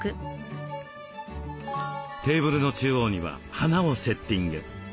テーブルの中央には花をセッティング。